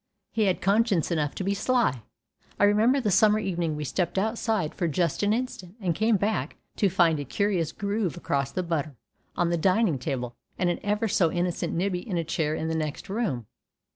He had conscience enough to be sly. I remember the summer evening we stepped outside for just an instant, and came back to find a curious groove across the butter, on the dining table, and an ever so innocent Nibbie in a chair in the next room.